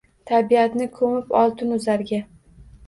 Tabiatni ko‘mib oltinu zarga.